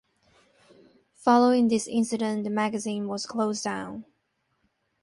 Following this incident the magazine was closed down.